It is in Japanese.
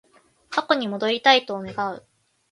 過去に戻りたいと願う